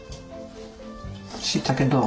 しいたけどう？